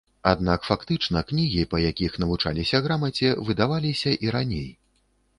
Аднак фактычна кнігі, па якіх навучаліся грамаце, выдаваліся і раней.